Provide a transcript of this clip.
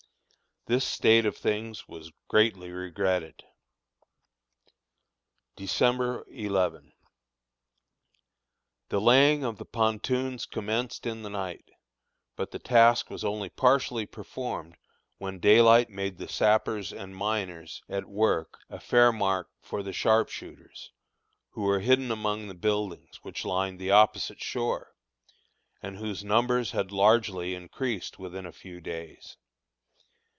This state of things was greatly regretted. December 11. The laying of the pontoons commenced in the night, but the task was only partially performed when daylight made the sappers and miners at work a fair mark for the sharpshooters, who were hidden among the buildings which lined the opposite shore, and whose numbers had largely increased within a few days.